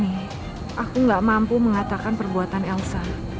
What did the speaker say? dan aku dalam posisi terjepit seperti andin